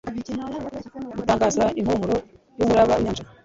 gutangaza impumuro yumuraba winyanja ..